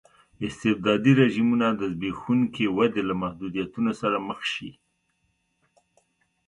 استبدادي رژیمونه د زبېښونکې ودې له محدودیتونو سره مخ شي.